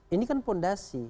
ini kan fondasi